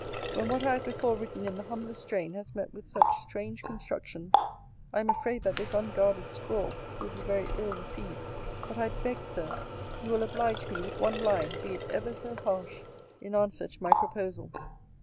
When what I have before written in the humblest strain has met with such strange constructions, I am afraid that this unguarded scrawl will be very ill received. But I beg, Sir, you will oblige me with one line, be it ever so harsh, in answer to my proposal.